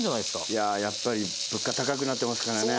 いややっぱり物価高くなってますからね。